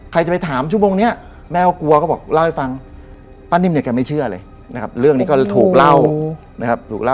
ใครจะไปถามชั่วโมงนี้